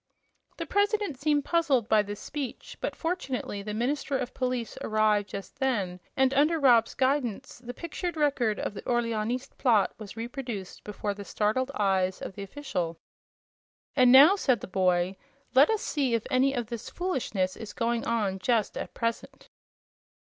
The President seemed puzzled by this speech, but fortunately the minister of police arrived just then and, under Rob's guidance, the pictured record of the Orleanist plot was reproduced before the startled eyes of the official. "And now," said the boy, "let us see if any of this foolishness is going on just at present."